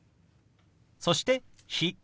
そして「日」。